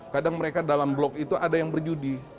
kadang mereka dalam blok itu ada yang berjudi